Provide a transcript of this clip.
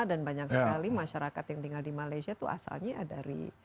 dan banyak sekali masyarakat yang tinggal di malaysia tuh asalnya dari